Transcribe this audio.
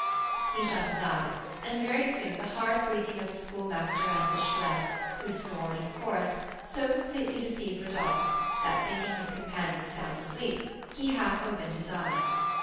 He shut his eyes, and very soon the hard breathing of the Schoolmaster and the Chouette, who snored in chorus, so completely deceived Rodolph, that, thinking his companions sound asleep, he half opened his eyes.